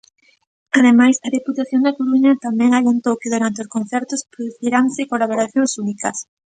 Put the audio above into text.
Ademais, a Deputación da Coruña tamén adiantou que durante os concertos produciranse colaboracións únicas.